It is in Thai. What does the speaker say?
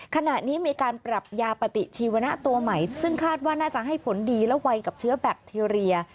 ขณะนี้มีการปรับยาปฏิชีวนะตัวใหม่ซึ่งคาดว่าน่าจะให้ผลดีและไวกับเชื้อแบคทีเรีย